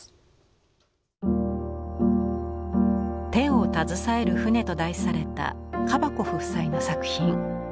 「手をたずさえる船」と題されたカバコフ夫妻の作品。